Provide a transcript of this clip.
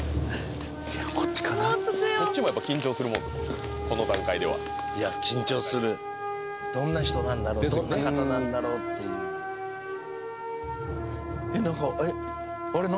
こっちもやっぱ緊張するもんですかこの段階ではいや緊張するどんな人なんだろうどんな方なんだろうっていうえっ何かえっ？